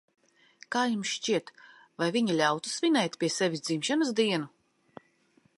Kā jums šķiet, vai viņa ļautu svinēt pie sevis dzimšanas dienu?